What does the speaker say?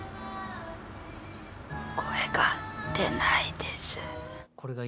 声が出ないです。